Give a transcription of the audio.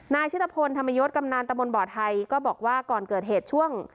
ชิตภพลธรรมยศกำนันตะมนต์บ่อไทยก็บอกว่าก่อนเกิดเหตุช่วง